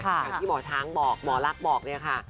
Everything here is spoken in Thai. อย่างที่หมอช้างบอกหมอลักษณ์บอกเนี่ยค่ะ